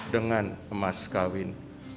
dengan emas kawin